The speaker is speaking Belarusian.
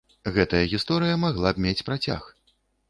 Гэтая гісторыя магла б мець працяг.